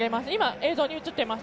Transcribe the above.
映像に映っています。